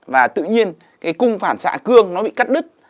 và tự nhiên cái cung phản xạ cương nó bị cắt đứt